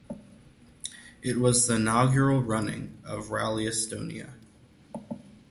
It was the inaugural running of Rally Estonia.